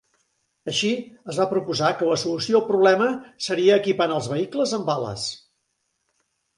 Així es va proposar que la solució al problema seria equipant els vehicles amb ales.